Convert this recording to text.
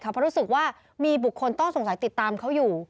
เพราะรู้สึกว่ามีบุคคลต้องสงสัยติดตามเขาอยู่